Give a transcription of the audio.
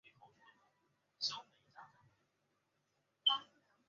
在东能代至能代之间的区间列车占整日时间表的六成。